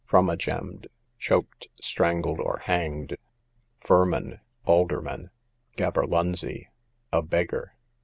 Frummagemmed, choked, strangled, or hanged. Furmen, aldermen. Gaberlunzie, a beggar.